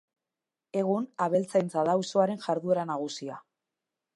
Egun, abeltzaintza da auzoaren jarduera nagusia.